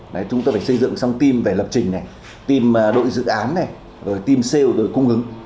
đấy chúng tôi phải xây dựng xong team về lập trình này tìm đội dự án này rồi team sale rồi cung ứng